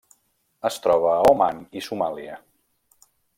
Es troba a Oman i Somàlia.